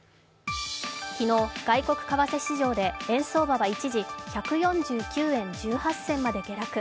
昨日、外国為替市場で円相場は一時１４９円１８銭まで下落。